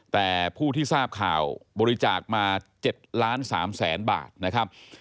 แต่ผู้ที่ทราบข่าวบริจาคมา๗ล้าน๓แสนบาทนะครับ